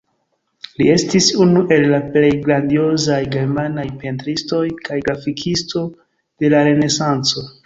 Li estis unu el la plej grandiozaj germanaj pentristoj kaj grafikisto de la Renesanco.